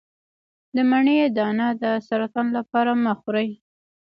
د مڼې دانه د سرطان لپاره مه خورئ